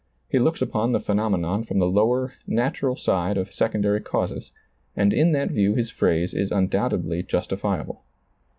He looks upon the phenomenon from the lower, natural side of secondary causes, and in that view his phrase is undoubtedly justi fiable.